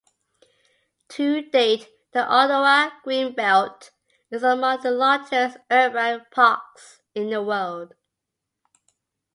To date, the Ottawa Greenbelt is among the largest urban parks in the world.